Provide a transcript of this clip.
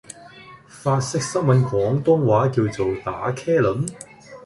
法式濕吻廣東話叫做「打茄輪」